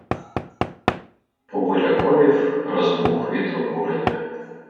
Побуряковів, розбух від обурення.